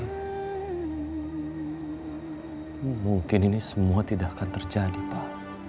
hmm mungkin ini semua tidak akan terjadi pak